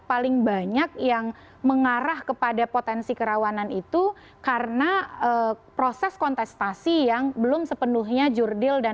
paling banyak yang mengarah kepada potensi kerawanan itu karena proses kontestasi yang belum sepenuhnya jurdil dan